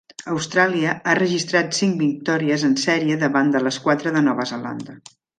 Austràlia ha registrat cinc victòries en sèrie davant de les quatre de Nova Zelanda.